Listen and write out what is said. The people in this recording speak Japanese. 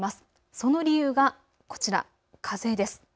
その理由がこちら、風です。